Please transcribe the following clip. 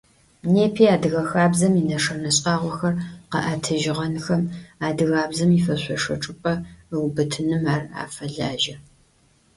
Непи адыгэ хабзэм инэшэнэ шӏагъохэр къэӏэтыжьыгъэнхэм, адыгабзэм ифэшъошэ чӏыпӏэ ыубытыным ар афэлажьэ.